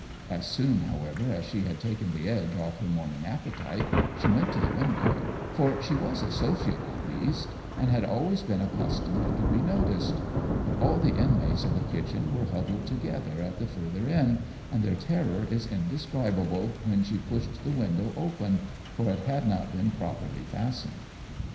As soon, however, as she had taken the edge off her morning appetite she went to the window, for she was a sociable beast, and had always been accustomed to be noticed; but all the inmates of the kitchen were huddled together at the further end, and their terror is indescribable when she pushed the window open, for it had not been properly fastened.